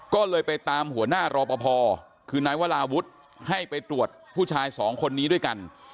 ก็เลยไปตามหัวหน้ารอปภคือนายวราวุฒิให้ไปตรวจผู้ชายสองคนนี้ด้วยกัน